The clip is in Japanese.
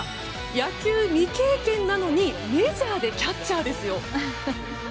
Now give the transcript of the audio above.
野球未経験なのにメジャーでキャッチャーですよ。